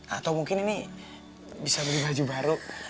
atau mungkin ini bisa beli baju baru